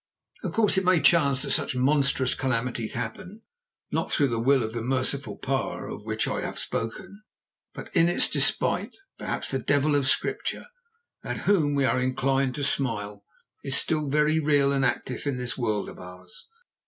Or, of course, it may chance that such monstrous calamities happen, not through the will of the merciful Power of which I have spoken, but in its despite. Perhaps the devil of Scripture, at whom we are inclined to smile, is still very real and active in this world of ours.